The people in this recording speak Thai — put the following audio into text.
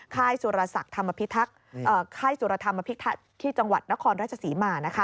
ค่ายสุรธรรมพิทักษ์ที่จังหวัดนครราชศรีมานะคะ